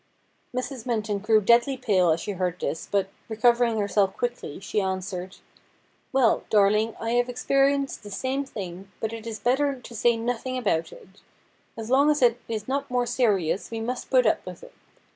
Mrs. Minton grew deadly pale as she heard this, but, re covering herself quickly, she answered :' Well, darling, I have experienced the same thing, but it is better to say nothing about it. As long as it is not more serious we must put up with it.